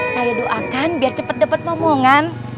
saya doakan biar cepat dapat omongan